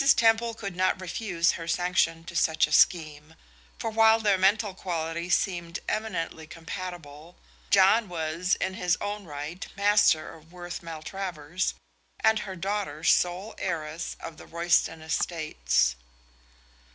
Temple could not refuse her sanction to such a scheme; for while their mental qualities seemed eminently compatible, John was in his own right master of Worth Maltravers, and her daughter sole heiress of the Royston estates.